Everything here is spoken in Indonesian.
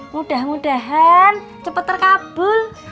mudah mudahan cepat terkabul